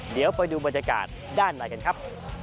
เดี๋ยวไปดูบรรยากาศด้านในกันครับ